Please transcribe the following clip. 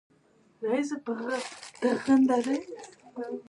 جلګه د افغان کلتور سره تړاو لري.